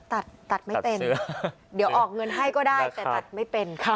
ตัดตัดไม่เป็นเดี๋ยวออกเงินให้ก็ได้แต่ตัดไม่เป็น